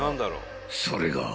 ［それが］